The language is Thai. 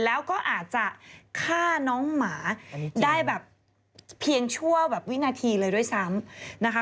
แล้วก็อาจจะฆ่าน้องหมาได้แบบเพียงชั่วแบบวินาทีเลยด้วยซ้ำนะคะ